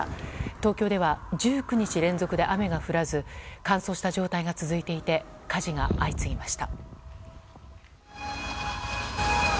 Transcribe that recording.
東京では１９日連続で雨が降らず乾燥した状態が続いていて火事が相次ぎました。